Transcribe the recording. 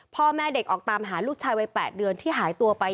พ่อแม่เด็กออกตามหาลูกชายวัย๘เดือนที่หายตัวไป